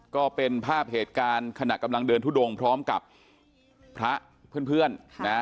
ก็เป็นภาพเหตุการณ์ขณะกำลังเดินทุดงพร้อมกับพระเพื่อนนะ